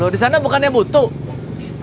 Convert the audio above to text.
di sana bukannya butuh